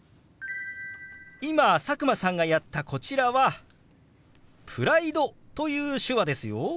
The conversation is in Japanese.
今佐久間さんがやったこちらは「プライド」という手話ですよ。